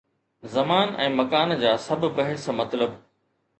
زمان ۽ مڪان جا سڀ بحث مطلب.